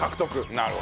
なるほど。